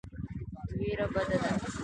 وېره بده ده.